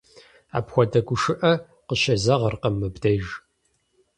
Апхуэдэ гушыӀэ къыщезэгъыркъым мыбдеж.